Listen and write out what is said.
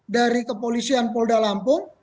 dari kepolisian polda lampung